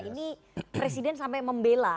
ini presiden sampai membela